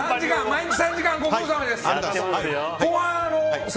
毎日。